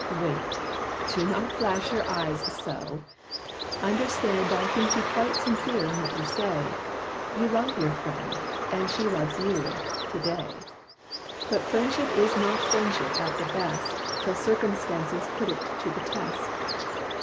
Wait do not flash your eyes so! Understand I think you quite sincere in what you say: You love your friend, and she loves you, to day; But friendship is not friendship at the best Till circumstances put it to the test.